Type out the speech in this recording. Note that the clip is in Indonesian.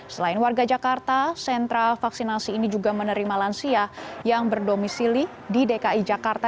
selain warga jakarta sentra vaksinasi ini juga menerima lansia yang berdomisili di dki jakarta